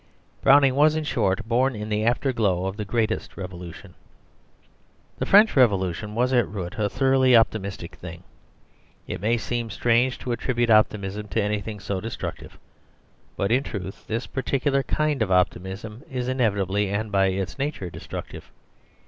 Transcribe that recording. Browning was, in short, born in the afterglow of the great Revolution. The French Revolution was at root a thoroughly optimistic thing. It may seem strange to attribute optimism to anything so destructive; but, in truth, this particular kind of optimism is inevitably, and by its nature, destructive.